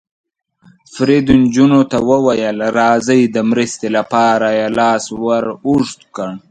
فرید نجونو ته وویل: راځئ، د مرستې لپاره یې لاس ور اوږد کړ.